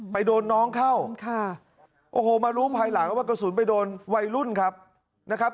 ไปโดนน้องเข้าโอ้โหมารู้ภายหลังว่ากระสุนไปโดนวัยรุ่นครับนะครับ